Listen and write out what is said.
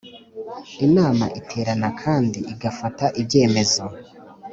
inama Iterana kandi igafata ibyemezo